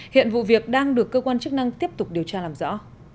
hiện vụ việc đang được cơ quan chức năng tiếp tục điều tra làm rõ